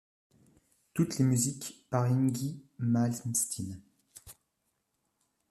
Toutes les musiques par Yngwie Malmsteen.